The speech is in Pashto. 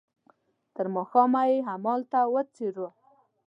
تر ماښامه یې همالته وڅروه.